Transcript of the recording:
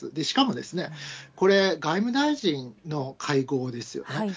しかも、これ、外務大臣の会合ですよね。